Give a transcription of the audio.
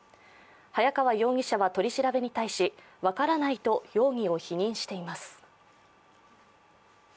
早川容疑者は取り調べに対し分からないと容疑を否認しています。